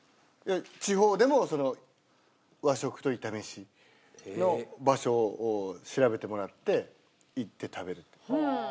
地方でも和食とイタ飯の場所を調べてもらって行って食べる。